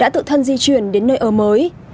đã tự thân di chuyển đến nơi ở mới